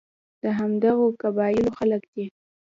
د همدغو قبایلو خلک دي.